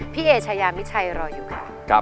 เอชายามิชัยรออยู่ค่ะ